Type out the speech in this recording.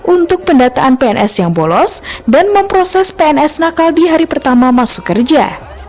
untuk pendataan pns yang bolos dan memproses pns nakal di hari pertama masuk kerja